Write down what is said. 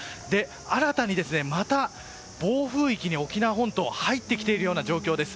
新たにまた、暴風域に沖縄本島は入っている状況です。